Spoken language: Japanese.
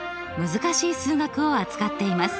難しい数学を扱っています。